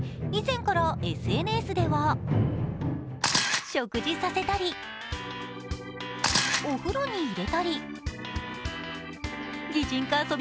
以前からＳＮＳでは食事させたり、お風呂に入れたり、